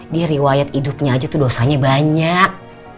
dia riwayat hidupnya aja tuh dosanya banyak